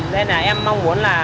nên là em mong muốn là